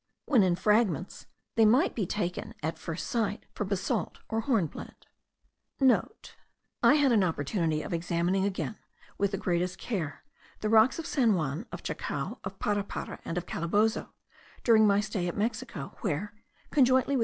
When in fragments, they might be taken at first sight for basalt or hornblende.* (* I had an opportunity of examining again, with the greatest care, the rocks of San Juan, of Chacao, of Parapara, and of Calabozo, during my stay at Mexico, where, conjointly with M.